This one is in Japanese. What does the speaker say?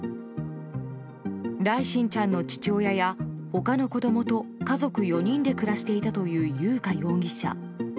來心ちゃんの父親や他の子供と家族４人で暮らしていたという優花容疑者。